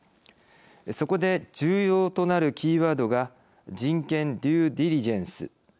そこで重要となるキーワードが人権デュー・ディリジェンス。